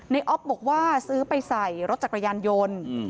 อ๊อฟบอกว่าซื้อไปใส่รถจักรยานยนต์